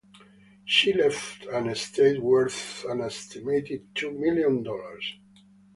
She left an estate worth an estimated two million dollars.